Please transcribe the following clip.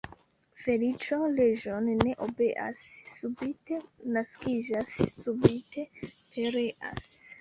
Feliĉo leĝon ne obeas, subite naskiĝas, subite pereas.